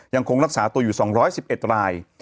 ยังคงรักษาตัวอยู่๒๑๑ราย